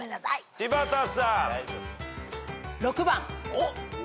柴田さん。